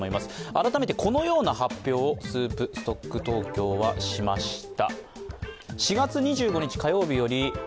改めてこのような発表をスープストックトーキョーはしました。